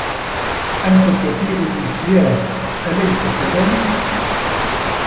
أنت كثير النّسيان، أليس كذلك؟